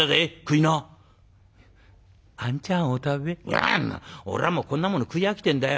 「いや俺はもうこんなもの食い飽きてんだよ。